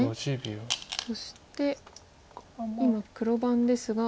そして今黒番ですが。